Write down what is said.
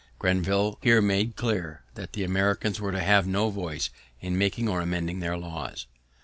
Grenville here made clear that the Americans were to have no voice in making or amending their laws.